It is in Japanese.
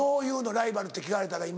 ライバルって聞かれたら今。